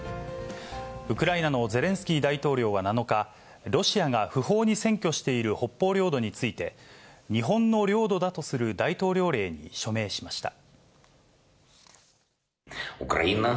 ウクライナのゼレンスキー大統領は７日、ロシアが不法に占拠している北方領土について、日本の領土だとする大統領令に署名しました。